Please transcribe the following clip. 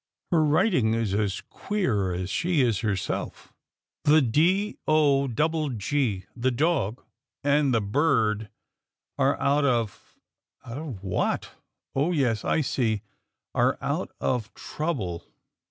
Her writing is as queer as she is herself —* The D o double g — The Dogg and the Burrd are out of '— out of what ?— 'oh yes, I see — are out of Trrouble.'